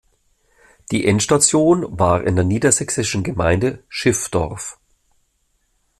Die Endstation war in der niedersächsischen Gemeinde Schiffdorf.